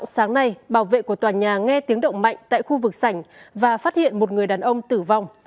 sáng nay bảo vệ của tòa nhà nghe tiếng động mạnh tại khu vực sảnh và phát hiện một người đàn ông tử vong